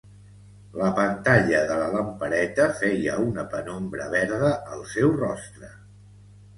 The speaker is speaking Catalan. La pantalla de la lampareta feia una penombra verda al seu rostre.